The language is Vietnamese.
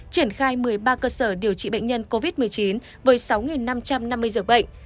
triển khai một mươi ba cơ sở điều trị bệnh nhân covid một mươi chín với sáu năm trăm năm mươi giường bệnh